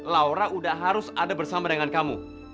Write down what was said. laura udah harus ada bersama dengan kamu